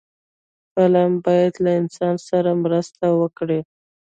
فلم باید له انسان سره مرسته وکړي